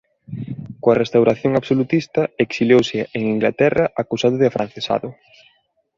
Coa Restauración absolutista exiliouse en Inglaterra acusado de afrancesado.